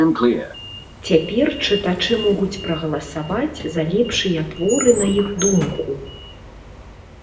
Цяпер чытачы могуць прагаласаваць за лепшыя творы на іх думку.